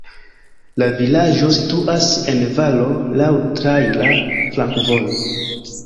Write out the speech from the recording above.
La vilaĝo situas en valo, laŭ traira flankovojo.